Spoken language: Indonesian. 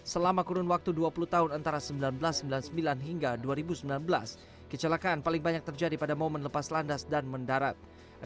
selama kurun waktu dua puluh tahun antara seribu sembilan ratus sembilan puluh sembilan hingga dua ribu sembilan belas kecelakaan paling banyak terjadi pada momen lepas landas dan mendarat